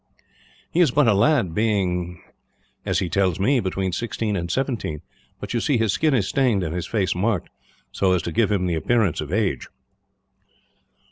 "He is but a lad, being as he tells me between sixteen and seventeen; but you see his skin is stained, and his face marked, so as to give him the appearance of age."